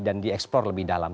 dan dieksplor lebih dalam